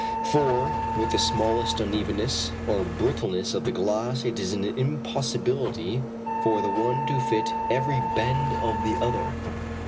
For with the smallest unevenness or brittleness of the glass it is an impossibility for the one to fit every bend of the other.